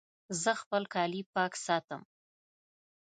زه خپل کالي پاک ساتم.